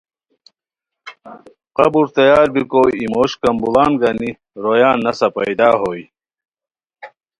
قبر تیار بیکو ای مو ش کمبوڑان گانی رویان نسہ پیدا ہوئے